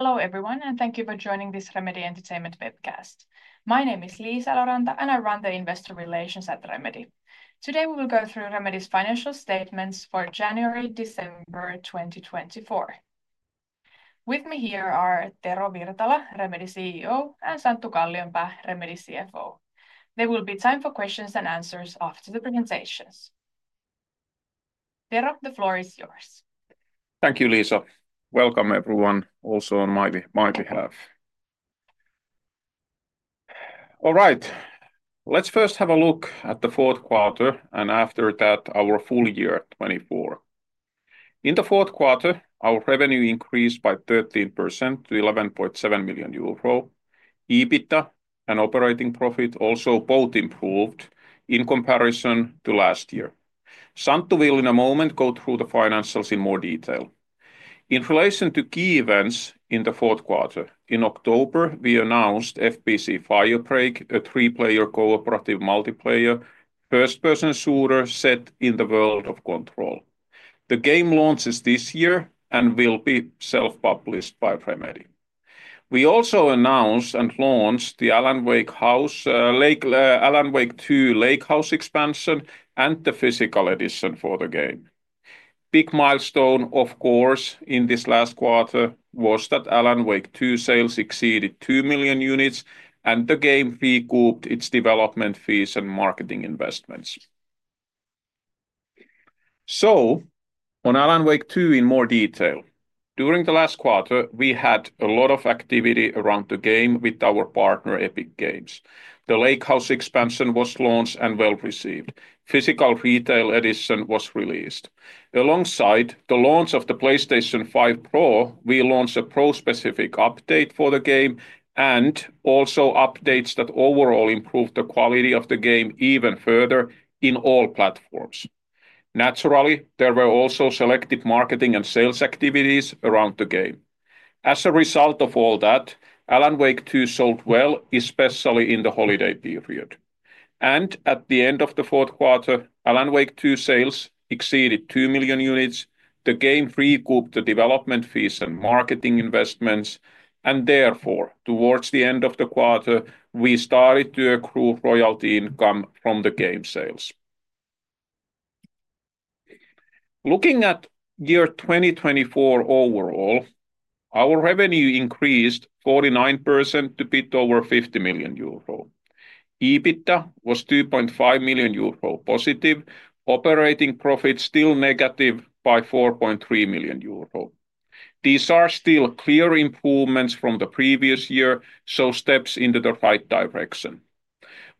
Hello everyone, and thank you for joining this Remedy Entertainment webcast. My name is Liisa Eloranta, and I run the investor relations at Remedy. Today we will go through Remedy's financial statements for January-December 2024. With me here are Tero Virtala, Remedy CEO, and Santtu Kallionpää, Remedy CFO. There will be time for questions and answers after the presentations. Tero, the floor is yours. Thank you, Liisa. Welcome everyone also on my behalf. All right, let's first have a look at the fourth quarter and after that our full year 2024. In the fourth quarter, our revenue increased by 13% to 11.7 million euro. EBITDA and operating profit also both improved in comparison to last year. Santtu will in a moment go through the financials in more detail. In relation to key events in the fourth quarter, in October we announced FBC: Firebreak, a three-player cooperative multiplayer first-person shooter set in the world of Control. The game launches this year and will be self-published by Remedy. We also announced and launched the Alan Wake 2 Lake House expansion and the physical edition for the game. Big milestone, of course, in this last quarter was that Alan Wake 2 sales exceeded 2 million units and the game recouped its development fees and marketing investments. On Alan Wake 2 in more detail, during the last quarter we had a lot of activity around the game with our partner Epic Games. The Lakehouse expansion was launched and well received. Physical retail edition was released. Alongside the launch of the PlayStation 5 Pro, we launched a Pro-specific update for the game and also updates that overall improved the quality of the game even further in all platforms. Naturally, there were also selective marketing and sales activities around the game. As a result of all that, Alan Wake 2 sold well, especially in the holiday period. At the end of the fourth quarter, Alan Wake 2 sales exceeded 2 million units, the game recouped the development fees and marketing investments, and therefore towards the end of the quarter we started to accrue royalty income from the game sales. Looking at year 2024 overall, our revenue increased 49% to be over 50 million euro. EBITDA was 2.5 million euro positive, operating profit still negative by 4.3 million euro. These are still clear improvements from the previous year, so steps into the right direction.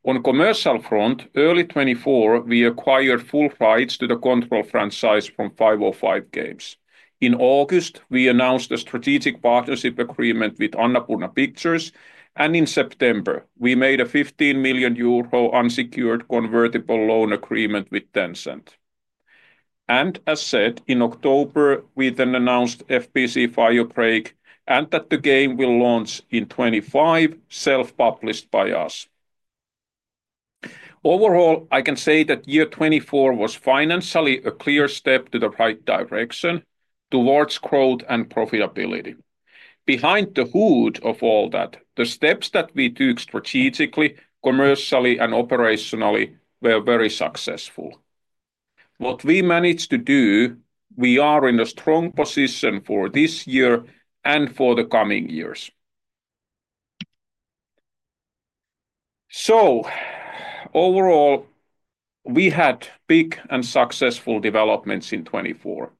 On the commercial front, early 2024 we acquired full rights to the Control franchise from 505 Games. In August, we announced a strategic partnership agreement with Annapurna Pictures, and in September we made a 15 million euro unsecured convertible loan agreement with Tencent. As said, in October we then announced FBC: Firebreak and that the game will launch in 2025, self-published by us. Overall, I can say that year 2024 was financially a clear step to the right direction towards growth and profitability. Behind the hood of all that, the steps that we took strategically, commercially, and operationally were very successful. What we managed to do, we are in a strong position for this year and for the coming years. Overall, we had big and successful developments in 2024.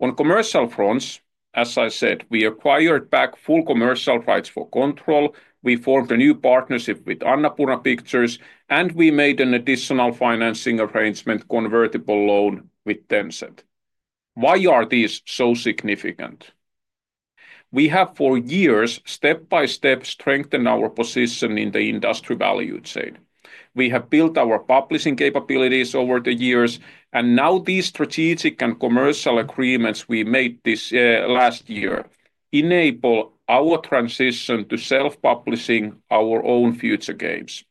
On the commercial fronts, as I said, we acquired back full commercial rights for Control, we formed a new partnership with Annapurna Pictures, and we made an additional financing arrangement, convertible loan with Tencent. Why are these so significant? We have for years step by step strengthened our position in the industry value chain. We have built our publishing capabilities over the years, and now these strategic and commercial agreements we made this last year enable our transition to self-publishing our own future games.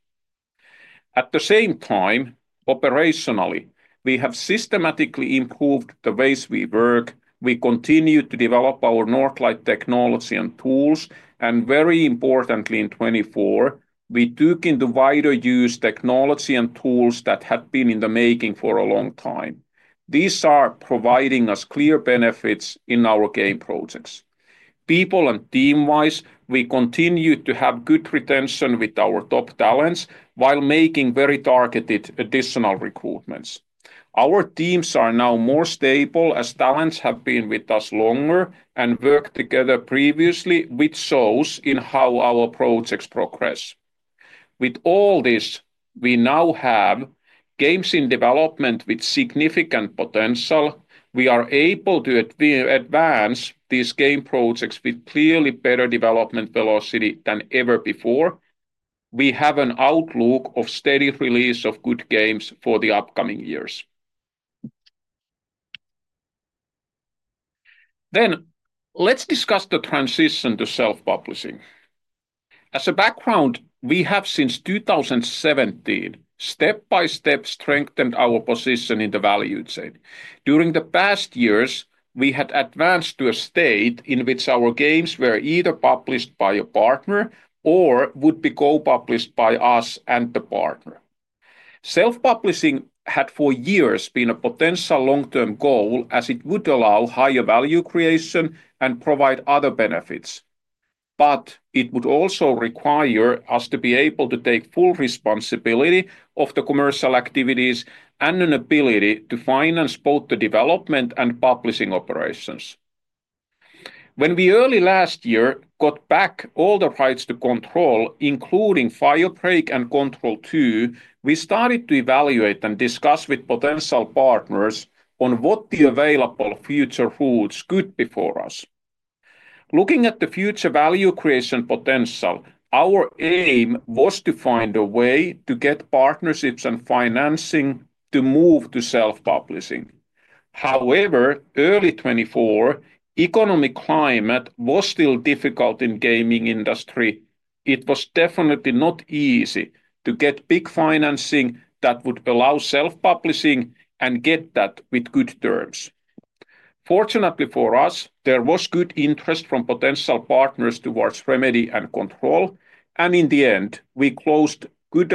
At the same time, operationally, we have systematically improved the ways we work. We continue to develop our Northlight technology and tools, and very importantly in 2024, we took into wider use technology and tools that had been in the making for a long time. These are providing us clear benefits in our game projects. People and team-wise, we continue to have good retention with our top talents while making very targeted additional recruitments. Our teams are now more stable as talents have been with us longer and worked together previously, which shows in how our projects progress. With all this, we now have games in development with significant potential. We are able to advance these game projects with clearly better development velocity than ever before. We have an outlook of steady release of good games for the upcoming years. Let's discuss the transition to self-publishing. As a background, we have since 2017 step by step strengthened our position in the value chain. During the past years, we had advanced to a state in which our games were either published by a partner or would be co-published by us and the partner. Self-publishing had for years been a potential long-term goal as it would allow higher value creation and provide other benefits. It would also require us to be able to take full responsibility of the commercial activities and an ability to finance both the development and publishing operations. When we early last year got back all the rights to Control, including FBC: Firebreak and Control 2, we started to evaluate and discuss with potential partners on what the available future routes could be for us. Looking at the future value creation potential, our aim was to find a way to get partnerships and financing to move to self-publishing. However, early 2024, the economic climate was still difficult in the gaming industry. It was definitely not easy to get big financing that would allow self-publishing and get that with good terms. Fortunately for us, there was good interest from potential partners towards Remedy and Control, and in the end, we closed good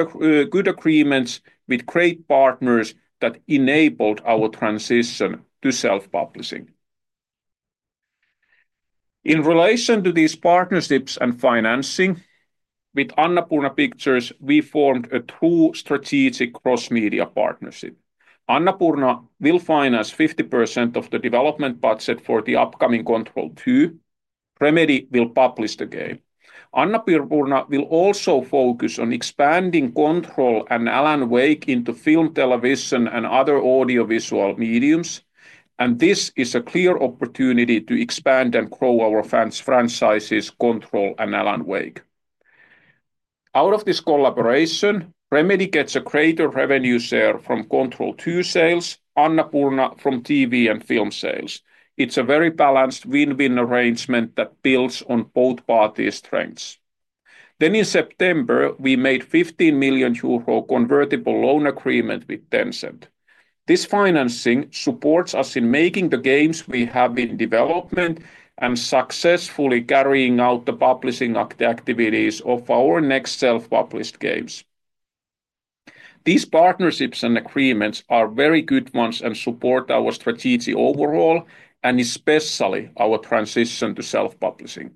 agreements with great partners that enabled our transition to self-publishing. In relation to these partnerships and financing, with Annapurna Pictures, we formed a true strategic cross-media partnership. Annapurna will finance 50% of the development budget for the upcoming Control 2. Remedy will publish the game. Annapurna will also focus on expanding Control and Alan Wake into film, television, and other audiovisual mediums, and this is a clear opportunity to expand and grow our franchises, Control and Alan Wake. Out of this collaboration, Remedy gets a greater revenue share from Control 2 sales and Annapurna from TV and film sales. It's a very balanced win-win arrangement that builds on both parties' strengths. In September, we made a 15 million euro convertible loan agreement with Tencent. This financing supports us in making the games we have in development and successfully carrying out the publishing activities of our next self-published games. These partnerships and agreements are very good ones and support our strategy overall and especially our transition to self-publishing.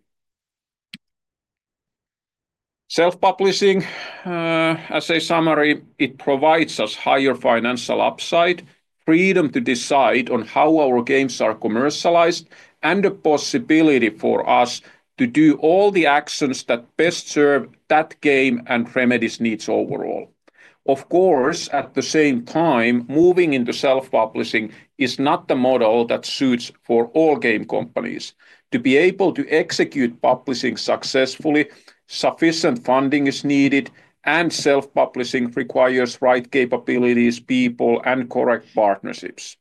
Self-publishing, as a summary, provides us higher financial upside, freedom to decide on how our games are commercialized, and the possibility for us to do all the actions that best serve that game and Remedy's needs overall. Of course, at the same time, moving into self-publishing is not the model that suits all game companies. To be able to execute publishing successfully, sufficient funding is needed, and self-publishing requires the right capabilities, people, and correct partnerships.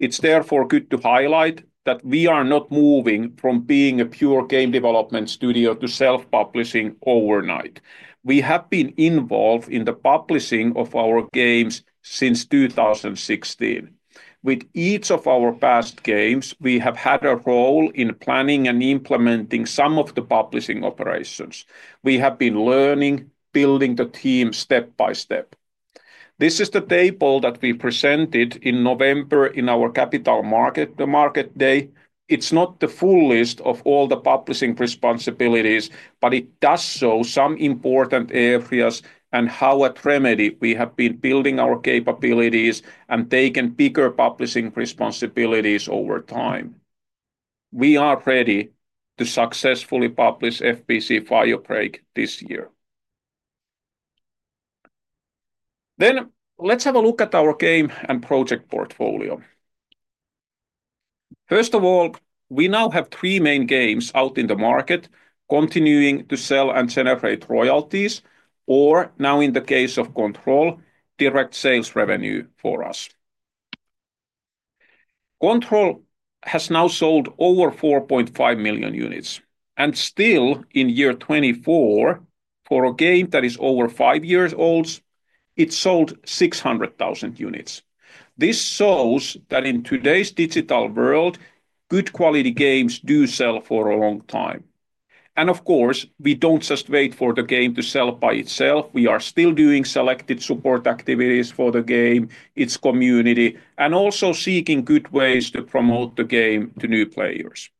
It is therefore good to highlight that we are not moving from being a pure game development studio to self-publishing overnight. We have been involved in the publishing of our games since 2016. With each of our past games, we have had a role in planning and implementing some of the publishing operations. We have been learning, building the team step by step. This is the table that we presented in November in our capital market day. It's not the full list of all the publishing responsibilities, but it does show some important areas and how at Remedy we have been building our capabilities and taken bigger publishing responsibilities over time. We are ready to successfully publish FBC: Firebreak this year. Let's have a look at our game and project portfolio. First of all, we now have three main games out in the market, continuing to sell and generate royalties, or now, in the case of Control, direct sales revenue for us. Control has now sold over 4.5 million units, and still, in year 2024, for a game that is over five years old, it sold 600,000 units. This shows that in today's digital world, good quality games do sell for a long time. Of course, we do not just wait for the game to sell by itself. We are still doing selected support activities for the game, its community, and also seeking good ways to promote the game to new players.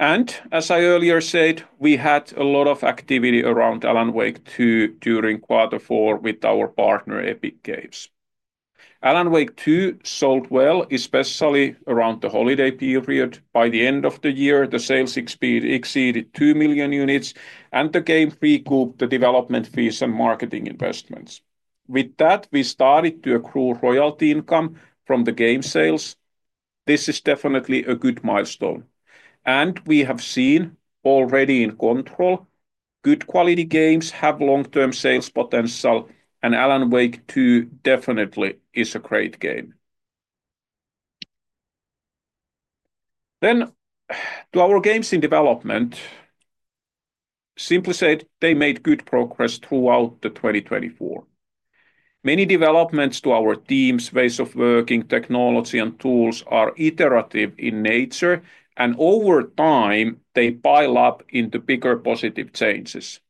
As I earlier said, we had a lot of activity around Alan Wake 2 during quarter four with our partner Epic Games. Alan Wake 2 sold well, especially around the holiday period. By the end of the year, the sales exceeded 2 million units, and the game recouped the development fees and marketing investments. With that, we started to accrue royalty income from the game sales. This is definitely a good milestone. We have seen already in Control, good quality games have long-term sales potential, and Alan Wake 2 definitely is a great game. To our games in development, simply said, they made good progress throughout 2024. Many developments to our teams, ways of working, technology, and tools are iterative in nature, and over time, they pile up into bigger positive changes.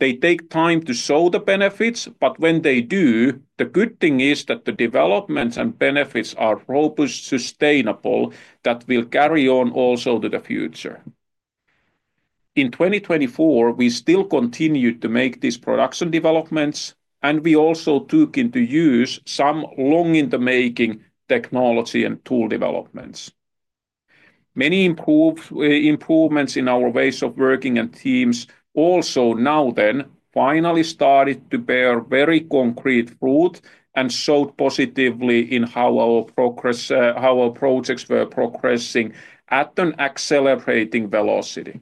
They take time to show the benefits, but when they do, the good thing is that the developments and benefits are robust, sustainable, that will carry on also to the future. In 2024, we still continued to make these production developments, and we also took into use some long-in-the-making technology and tool developments. Many improvements in our ways of working and teams also now then finally started to bear very concrete fruit and showed positively in how our projects were progressing at an accelerating velocity.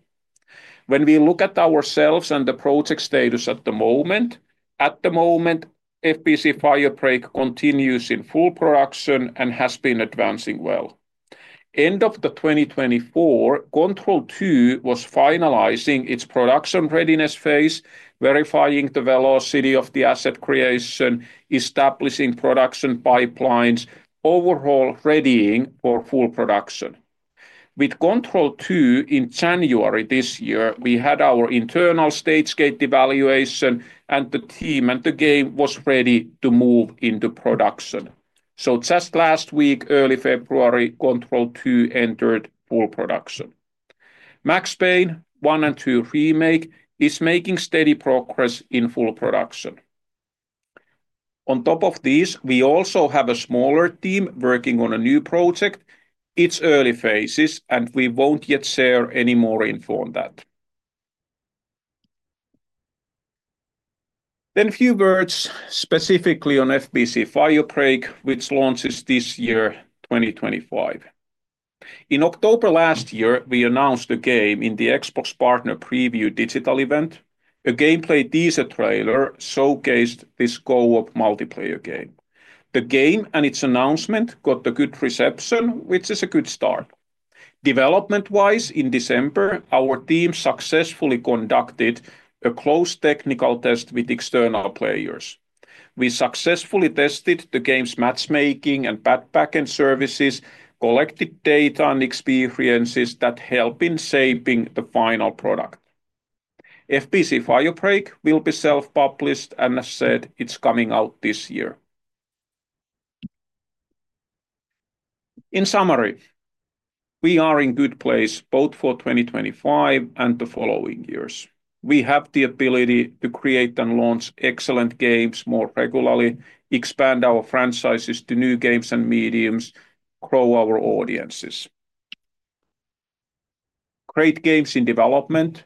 When we look at ourselves and the project status at the moment, at the moment, FBC: Firebreak continues in full production and has been advancing well. End of 2024, Control 2 was finalizing its production readiness phase, verifying the velocity of the asset creation, establishing production pipelines, overall readying for full production. With Control 2 in January this year, we had our internal stage gate evaluation, and the team and the game were ready to move into production. Just last week, early February, Control 2 entered full production. Max Payne 1 & 2 Remake is making steady progress in full production. On top of these, we also have a smaller team working on a new project. It's early phases, and we won't yet share any more info on that. A few words specifically on FBC: Firebreak, which launches this year, 2025. In October last year, we announced the game in the Xbox Partner Preview Digital Event. A gameplay teaser trailer showcased this co-op multiplayer game. The game and its announcement got a good reception, which is a good start. Development-wise, in December, our team successfully conducted a closed technical test with external players. We successfully tested the game's matchmaking and backpacking services, collected data and experiences that help in shaping the final product. FBC: Firebreak will be self-published and, as said, it's coming out this year. In summary, we are in good place both for 2025 and the following years. We have the ability to create and launch excellent games more regularly, expand our franchises to new games and mediums, and grow our audiences. Great games in development,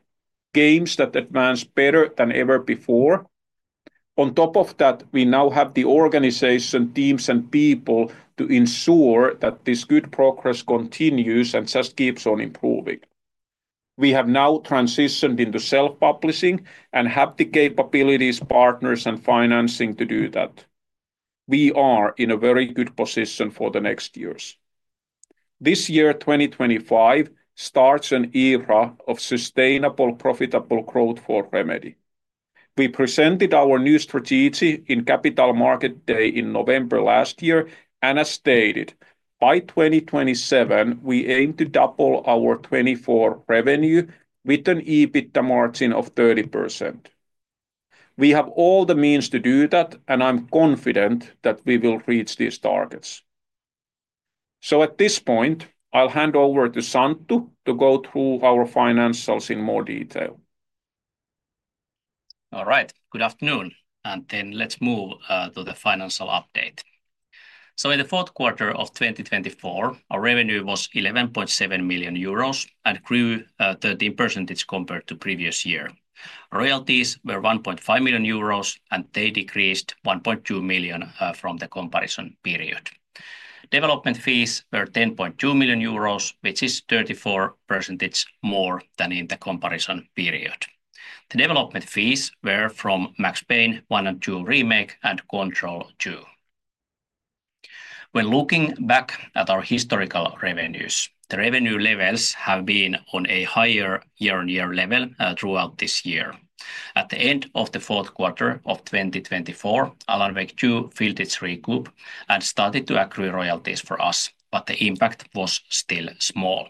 games that advance better than ever before. On top of that, we now have the organization, teams, and people to ensure that this good progress continues and just keeps on improving. We have now transitioned into self-publishing and have the capabilities, partners, and financing to do that. We are in a very good position for the next years. This year, 2025, starts an era of sustainable, profitable growth for Remedy. We presented our new strategy in Capital Market Day in November last year, and as stated, by 2027, we aim to double our 2024 revenue with an EBITDA margin of 30%. We have all the means to do that, and I'm confident that we will reach these targets. At this point, I'll hand over to Santtu to go through our financials in more detail. All right, good afternoon. Let's move to the financial update. In the fourth quarter of 2024, our revenue was 11.7 million euros and grew 13% compared to the previous year. Royalties were 1.5 million euros, and they decreased 1.2 million from the comparison period. Development fees were 10.2 million euros, which is 34% more than in the comparison period. The development fees were from Max Payne 1 & 2 Remake and Control 2. When looking back at our historical revenues, the revenue levels have been on a higher year-on-year level throughout this year. At the end of the fourth quarter of 2024, Alan Wake 2 filled its recoup and started to accrue royalties for us, but the impact was still small.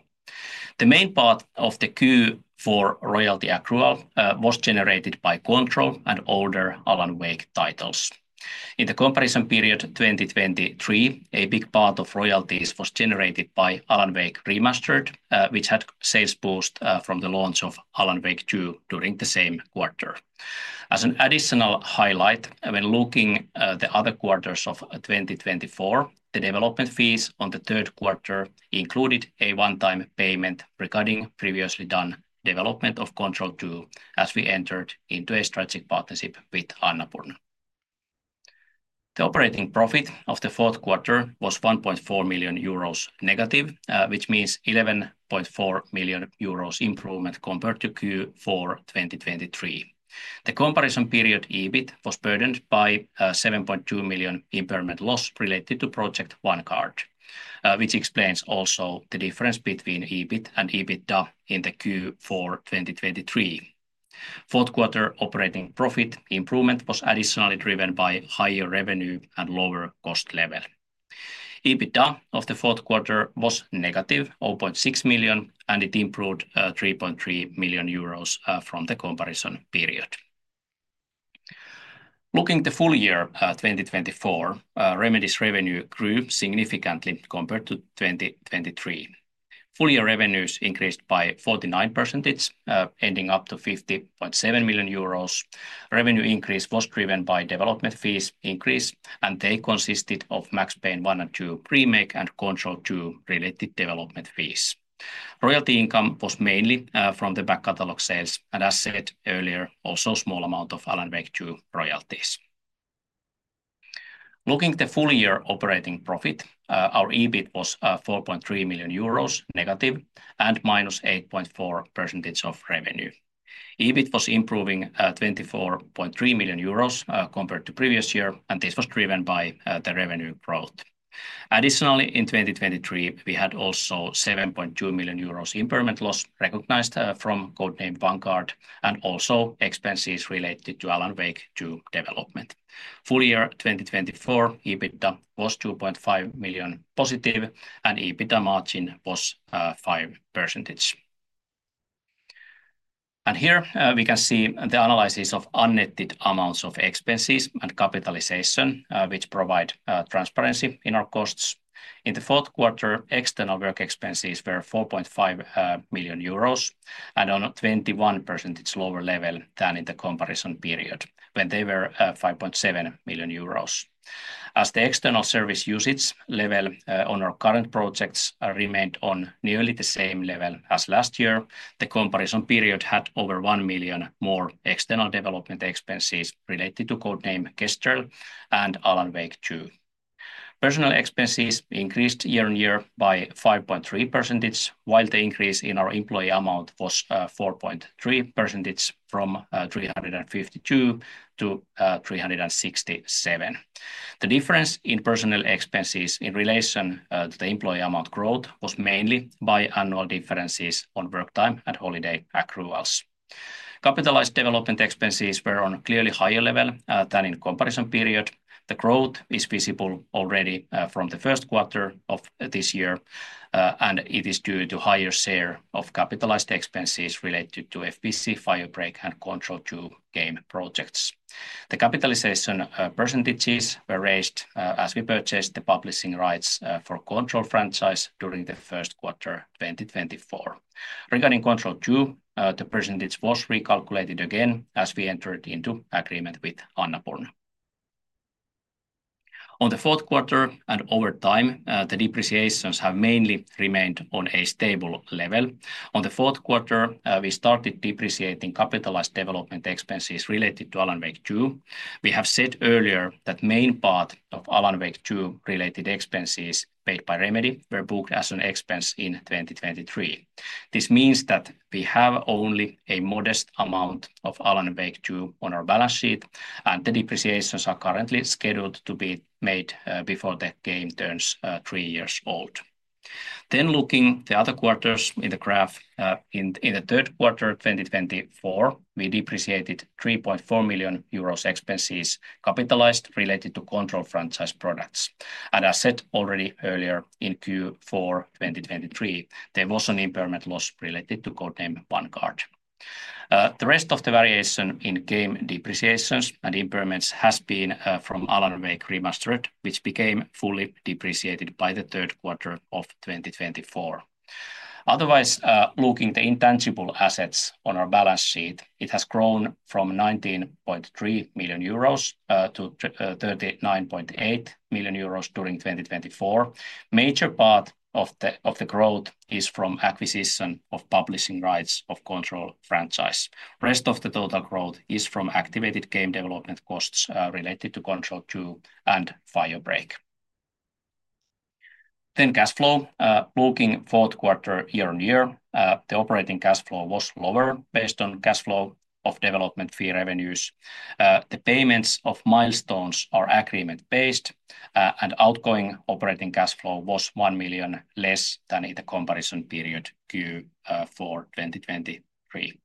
The main part of the queue for royalty accrual was generated by Control and older Alan Wake titles. In the comparison period 2023, a big part of royalties was generated by Alan Wake Remastered, which had sales boost from the launch of Alan Wake 2 during the same quarter. As an additional highlight, when looking at the other quarters of 2024, the development fees on the third quarter included a one-time payment regarding previously done development of Control 2 as we entered into a strategic partnership with Annapurna. The operating profit of the fourth quarter was 1.4 million euros negative, which means 11.4 million euros improvement compared to Q4 2023. The comparison period EBIT was burdened by 7.2 million impairment loss related to Project Vanguard, which explains also the difference between EBIT and EBITDA in the Q4 2023. Fourth quarter operating profit improvement was additionally driven by higher revenue and lower cost level. EBITDA of the fourth quarter was negative, 0.6 million, and it improved 3.3 million euros from the comparison period. Looking at the full year 2024, Remedy's revenue grew significantly compared to 2023. Full year revenues increased by 49%, ending up to 50.7 million euros. Revenue increase was driven by development fees increase, and they consisted of Max Payne 1 & 2 Remake and Control 2 related development fees. Royalty income was mainly from the back catalog sales, and as said earlier, also a small amount of Alan Wake 2 royalties. Looking at the full year operating profit, our EBIT was 4.3 million euros negative and minus 8.4% of revenue. EBIT was improving 24.3 million euros compared to the previous year, and this was driven by the revenue growth. Additionally, in 2023, we had also 7.2 million euros impairment loss recognized from code name Vanguard and also expenses related to Alan Wake 2 development. Full year 2024 EBITDA was 2.5 million positive, and EBITDA margin was 5%. Here we can see the analysis of unnetted amounts of expenses and capitalization, which provide transparency in our costs. In the fourth quarter, external work expenses were 4.5 million euros and on a 21% lower level than in the comparison period when they were 5.7 million euros. As the external service usage level on our current projects remained on nearly the same level as last year, the comparison period had over 1 million more external development expenses related to code name Kestrel and Alan Wake 2. Personnel expenses increased year on year by 5.3%, while the increase in our employee amount was 4.3% from 352 to 367. The difference in personnel expenses in relation to the employee amount growth was mainly by annual differences on work time and holiday accruals. Capitalized development expenses were on a clearly higher level than in the comparison period. The growth is visible already from the first quarter of this year, and it is due to a higher share of capitalized expenses related to FBC: Firebreak and Control 2 game projects. The capitalization percentages were raised as we purchased the publishing rights for Control franchise during the first quarter 2024. Regarding Control 2, the percentage was recalculated again as we entered into agreement with Annapurna. In the fourth quarter and over time, the depreciations have mainly remained on a stable level. In the fourth quarter, we started depreciating capitalized development expenses related to Alan Wake 2. We have said earlier that the main part of Alan Wake 2 related expenses paid by Remedy were booked as an expense in 2023. This means that we have only a modest amount of Alan Wake 2 on our balance sheet, and the depreciations are currently scheduled to be made before the game turns three years old. Looking at the other quarters in the graph, in the third quarter 2024, we depreciated 3.4 million euros expenses capitalized related to Control franchise products. As said already earlier in Q4 2023, there was an impairment loss related to code name Vanguard. The rest of the variation in game depreciations and impairments has been from Alan Wake Remastered, which became fully depreciated by the third quarter of 2024. Otherwise, looking at the intangible assets on our balance sheet, it has grown from 19.3 million euros to 39.8 million euros during 2024. A major part of the growth is from acquisition of publishing rights of Control franchise. The rest of the total growth is from activated game development costs related to Control 2 and FBC: Firebreak. Cash flow, looking at the fourth quarter year on year, the operating cash flow was lower based on cash flow of development fee revenues. The payments of milestones are agreement-based, and outgoing operating cash flow was 1 million less than in the comparison period Q4 2023.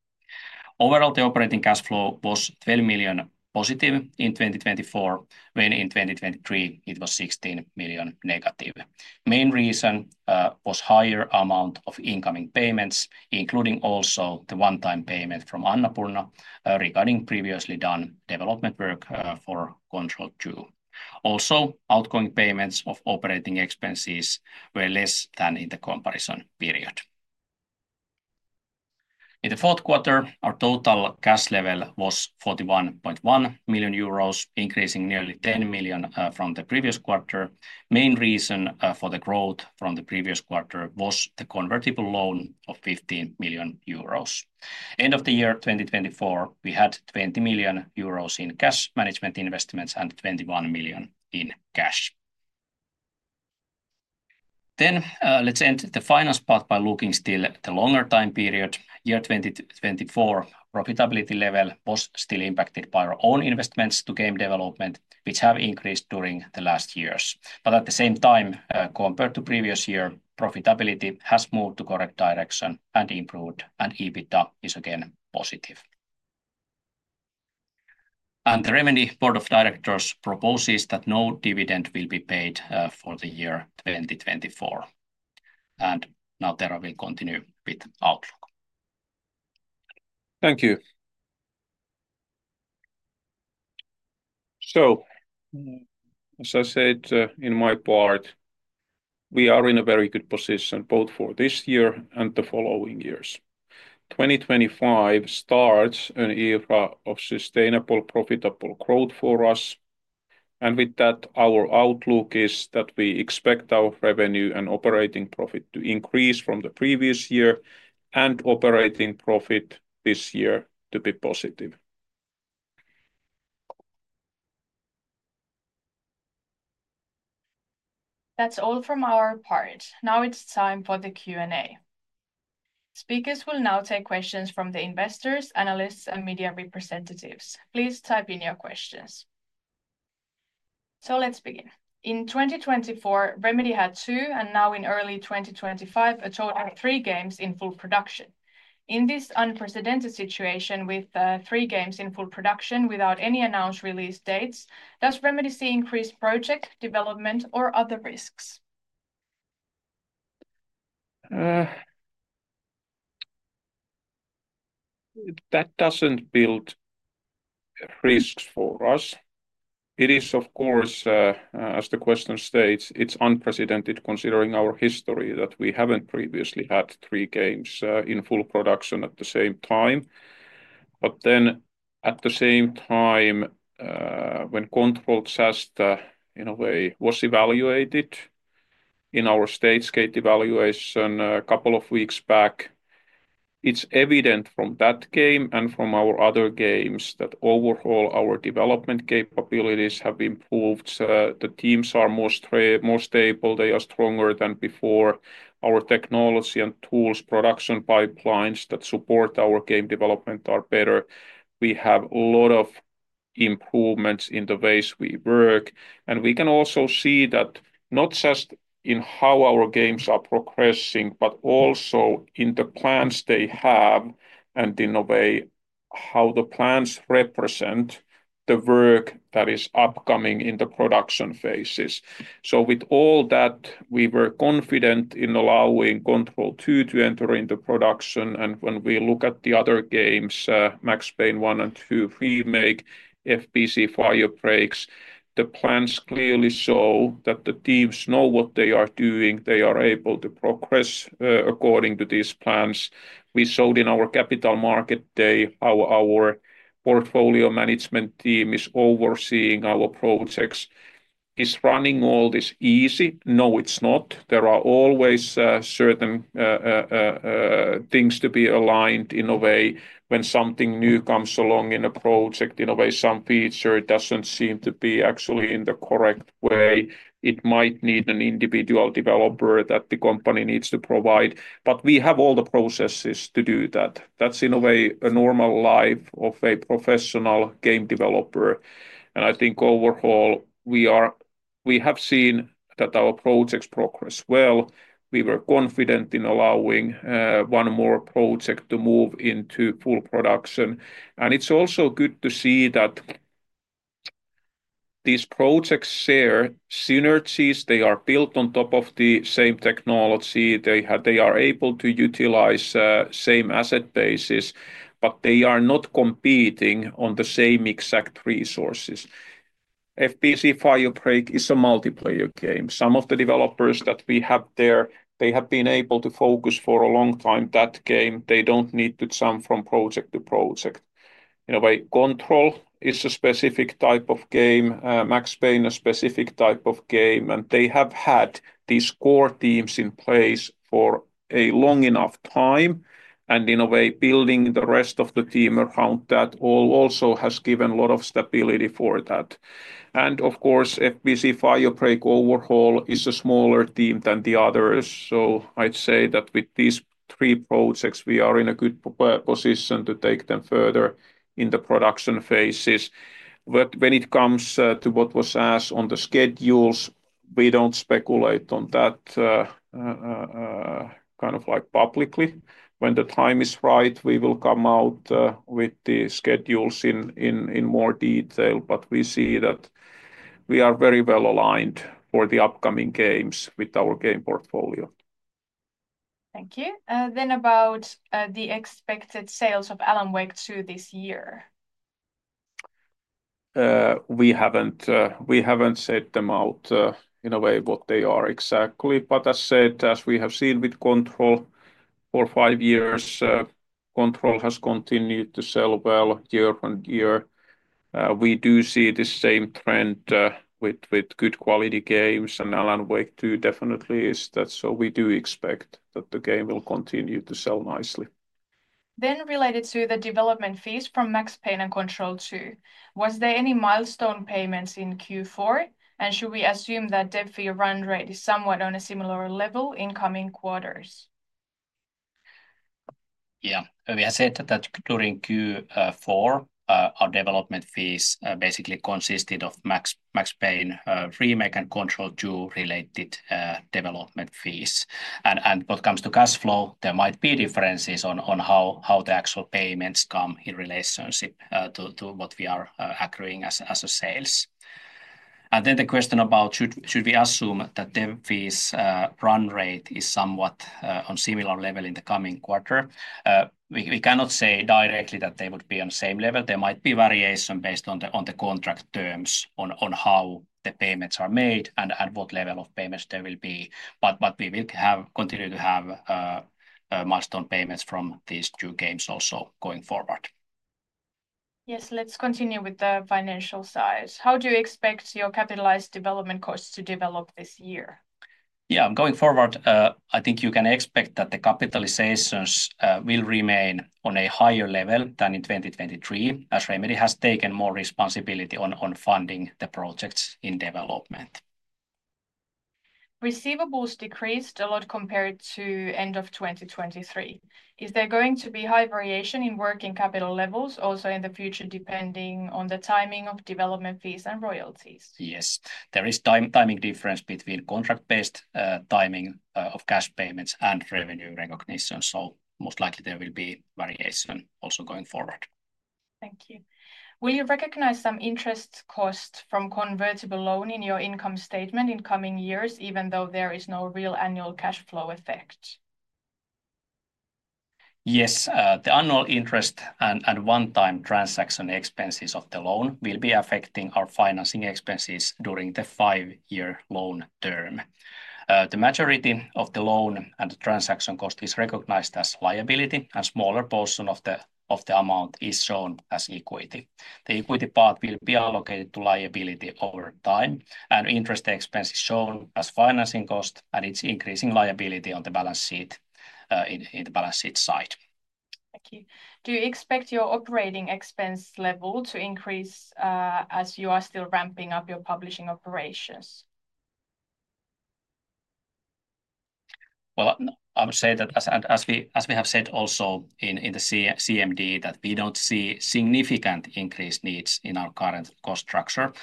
Overall, the operating cash flow was 12 million positive in 2024, when in 2023 it was 16 million negative. The main reason was a higher amount of incoming payments, including also the one-time payment from Annapurna regarding previously done development work for Control 2. Also, outgoing payments of operating expenses were less than in the comparison period. In the fourth quarter, our total cash level was 41.1 million euros, increasing nearly 10 million from the previous quarter. The main reason for the growth from the previous quarter was the convertible loan of 15 million euros. At the end of the year 2024, we had 20 million euros in cash management investments and 21 million in cash. Let's end the finance part by looking still at the longer time period. The year 2024 profitability level was still impacted by our own investments to game development, which have increased during the last years. At the same time, compared to the previous year, profitability has moved to the correct direction and improved, and EBITDA is again positive. The Remedy Board of Directors proposes that no dividend will be paid for the year 2024. Now Tero will continue with Outlook. Thank you. As I said in my part, we are in a very good position both for this year and the following years. 2025 starts an era of sustainable, profitable growth for us. With that, our outlook is that we expect our revenue and operating profit to increase from the previous year and operating profit this year to be positive. That's all from our part. Now it's time for the Q&A. Speakers will now take questions from the investors, analysts, and media representatives. Please type in your questions. Let's begin. In 2024, Remedy had two, and now in early 2025, a total of three games in full production. In this unprecedented situation with three games in full production without any announced release dates, does Remedy see increased project development or other risks? That does not build risks for us. It is, of course, as the question states, it is unprecedented considering our history that we have not previously had three games in full production at the same time. At the same time, when Control 2, in a way, was evaluated in our stage gate evaluation a couple of weeks back, it is evident from that game and from our other games that overall our development capabilities have improved. The teams are more stable. They are stronger than before. Our technology and tools, production pipelines that support our game development are better. We have a lot of improvements in the ways we work. We can also see that not just in how our games are progressing, but also in the plans they have and in a way how the plans represent the work that is upcoming in the production phases. With all that, we were confident in allowing Control 2 to enter into production. When we look at the other games, Max Payne 1 & 2 Remake, FBC: Firebreak, the plans clearly show that the teams know what they are doing. They are able to progress according to these plans. We showed in our capital market day how our portfolio management team is overseeing our projects. Is running all this easy? No, it's not. There are always certain things to be aligned in a way. When something new comes along in a project, in a way, some feature doesn't seem to be actually in the correct way. It might need an individual developer that the company needs to provide. We have all the processes to do that. That is in a way a normal life of a professional game developer. I think overall we have seen that our projects progress well. We were confident in allowing one more project to move into full production. It is also good to see that these projects share synergies. They are built on top of the same technology. They are able to utilize the same asset basis, but they are not competing on the same exact resources. FBC: Firebreak is a multiplayer game. Some of the developers that we have there, they have been able to focus for a long time on that game. They do not need to jump from project to project. In a way, Control is a specific type of game. Max Payne is a specific type of game. They have had these core teams in place for a long enough time. In a way, building the rest of the team around that also has given a lot of stability for that. Of course, FBC: Firebreak overall is a smaller team than the others. I'd say that with these three projects, we are in a good position to take them further in the production phases. When it comes to what was asked on the schedules, we do not speculate on that kind of like publicly. When the time is right, we will come out with the schedules in more detail. We see that we are very well aligned for the upcoming games with our game portfolio. Thank you. Then about the expected sales of Alan Wake 2 this year. We haven't said them out in a way what they are exactly. But as said, as we have seen with Control for five years, Control has continued to sell well year on year. We do see the same trend with good quality games. Alan Wake 2 definitely is that. We do expect that the game will continue to sell nicely. Then related to the development fees from Max Payne and Control 2, was there any milestone payments in Q4? Should we assume that dev fee run rate is somewhat on a similar level in coming quarters? Yeah, we have said that during Q4, our development fees basically consisted of Max Payne remake and Control 2 related development fees. What comes to cash flow, there might be differences on how the actual payments come in relationship to what we are agreeing as a sales. The question about should we assume that dev fees run rate is somewhat on a similar level in the coming quarter? We cannot say directly that they would be on the same level. There might be variation based on the contract terms on how the payments are made and what level of payments there will be. We will continue to have milestone payments from these two games also going forward. Yes, let's continue with the financial side. How do you expect your capitalized development costs to develop this year? Going forward, I think you can expect that the capitalizations will remain on a higher level than in 2023, as Remedy has taken more responsibility on funding the projects in development. Receivables decreased a lot compared to the end of 2023. Is there going to be high variation in working capital levels also in the future depending on the timing of development fees and royalties? Yes, there is a timing difference between contract-based timing of cash payments and revenue recognition. Most likely there will be variation also going forward. Thank you. Will you recognize some interest cost from convertible loan in your income statement in coming years, even though there is no real annual cash flow effect? Yes, the annual interest and one-time transaction expenses of the loan will be affecting our financing expenses during the five-year loan term. The majority of the loan and the transaction cost is recognized as liability, and a smaller portion of the amount is shown as equity. The equity part will be allocated to liability over time, and interest expense is shown as financing cost, and it's increasing liability on the balance sheet in the balance sheet side. Thank you. Do you expect your operating expense level to increase as you are still ramping up your publishing operations? I would say that, as we have said also in the CMD, that we don't see significant increase needs in our current cost structure.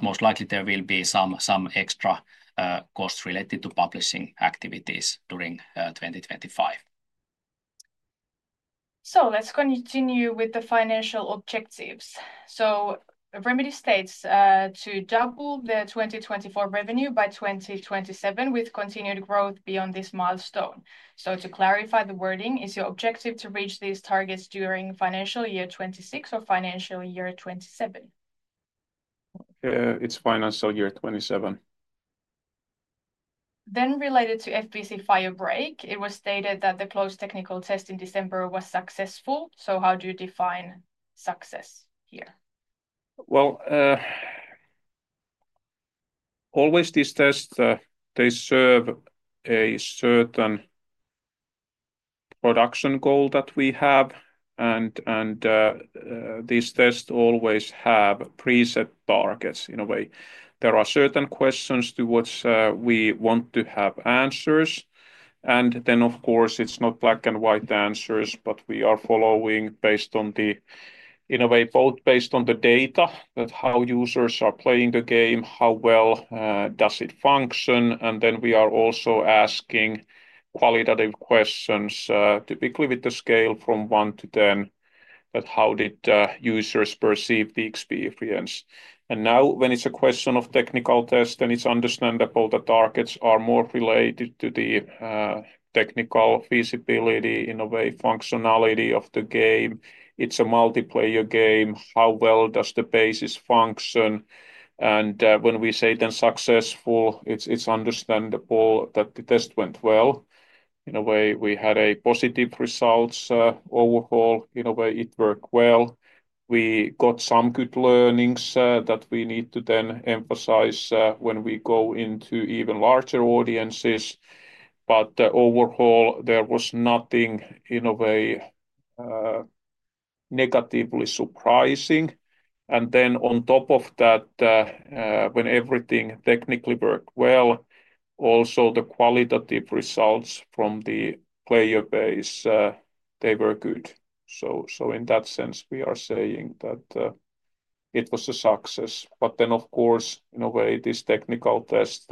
Most likely there will be some extra costs related to publishing activities during 2025. Let's continue with the financial objectives. Remedy states to double the 2024 revenue by 2027 with continued growth beyond this milestone. To clarify the wording, is your objective to reach these targets during financial year 2026 or financial year 2027? It's financial year 2027. Related to FBC: Firebreak, it was stated that the closed technical test in December was successful. How do you define success here? Always these tests, they serve a certain production goal that we have. These tests always have preset targets in a way. There are certain questions to which we want to have answers. Of course, it's not black and white answers, but we are following based on both the data, how users are playing the game, how well does it function. We are also asking qualitative questions, typically with the scale from 1 to 10, how did users perceive the experience. Now, when it's a question of technical test, it's understandable that targets are more related to the technical feasibility, in a way, functionality of the game. It's a multiplayer game. How well does the basis function? When we say then successful, it's understandable that the test went well. In a way, we had positive results overall. In a way, it worked well. We got some good learnings that we need to then emphasize when we go into even larger audiences. Overall, there was nothing in a way negatively surprising. On top of that, when everything technically worked well, also the qualitative results from the player base, they were good. In that sense, we are saying that it was a success. Of course, in a way, this technical test,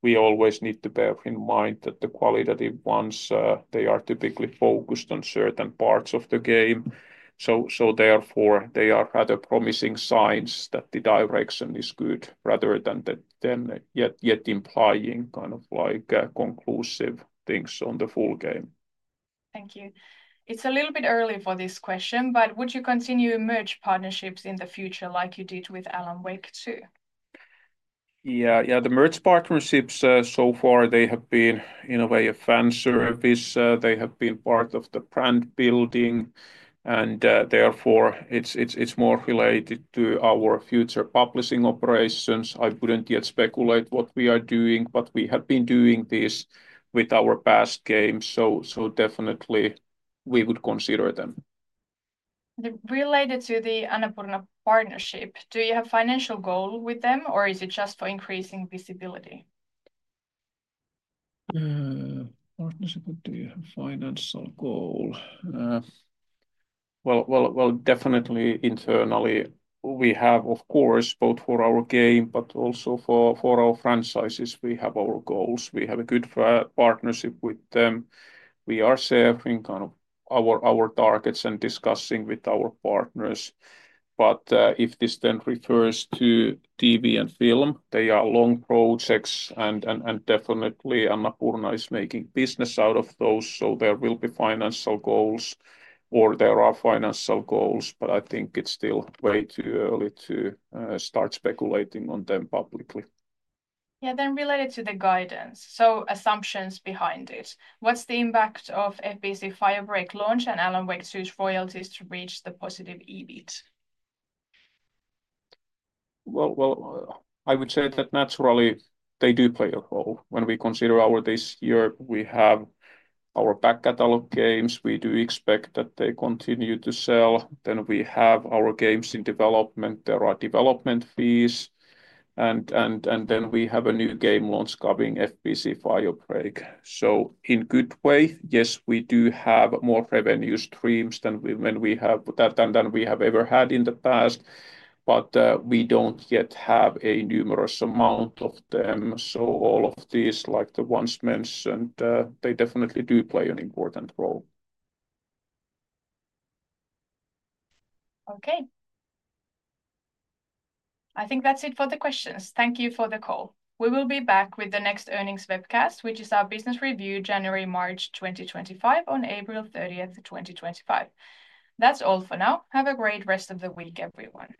we always need to bear in mind that the qualitative ones, they are typically focused on certain parts of the game. Therefore, they have promising signs that the direction is good rather than yet implying kind of like conclusive things on the full game. Thank you. It's a little bit early for this question, but would you continue merge partnerships in the future like you did with Alan Wake 2? Yeah, yeah, the merge partnerships so far, they have been in a way a fan service. They have been part of the brand building. Therefore, it's more related to our future publishing operations. I wouldn't yet speculate what we are doing, but we have been doing this with our past games. Definitely, we would consider them. Related to the Annapurna partnership, do you have a financial goal with them, or is it just for increasing visibility? Partnership with the financial goal. Definitely internally, we have, of course, both for our game, but also for our franchises, we have our goals. We have a good partnership with them. We are sharing kind of our targets and discussing with our partners. If this then refers to TV and film, they are long projects. Definitely, Annapurna is making business out of those. There will be financial goals, or there are financial goals. I think it's still way too early to start speculating on them publicly. Yeah, then related to the guidance, so assumptions behind it. What's the impact of FBC: Firebreak launch and Alan Wake 2's royalties to reach the positive EBIT? I would say that naturally, they do play a role. When we consider our this year, we have our back catalog games. We do expect that they continue to sell. We have our games in development. There are development fees. We have a new game launch coming, FBC: Firebreak. In a good way, yes, we do have more revenue streams than we have ever had in the past. We do not yet have a numerous amount of them. All of these, like the ones mentioned, they definitely do play an important role. Okay. I think that's it for the questions. Thank you for the call. We will be back with the next earnings webcast, which is our business review, January-March 2025, on April 30, 2025. That's all for now. Have a great rest of the week, everyone.